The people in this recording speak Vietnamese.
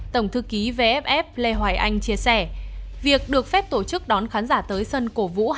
tổng thư ký vff lê hoài anh chia sẻ việc được phép tổ chức đón khán giả tới sân cổ vũ hà